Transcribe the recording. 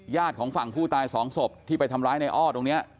ของฝั่งผู้ตายสองศพที่ไปทำร้ายในอ้อตรงนี้